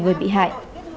người bị hại